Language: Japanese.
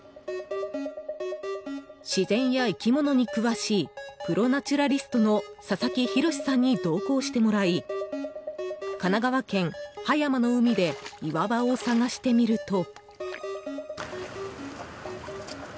自然や生き物に詳しいプロ・ナチュラリストの佐々木洋さんに同行してもらい神奈川県葉山の海で岩場を探してみると。